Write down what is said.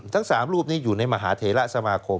ทั้ง๓รูปนี้อยู่ในมหาเทระสมาคม